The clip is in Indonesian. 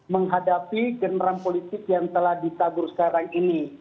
menghadapi generam politik yang telah ditabur sekarang ini